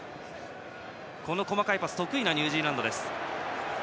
細かいパスが得意なニュージーランド。